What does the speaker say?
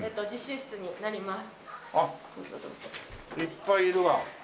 あっいっぱいいるわ。